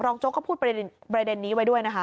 โจ๊กก็พูดประเด็นนี้ไว้ด้วยนะคะ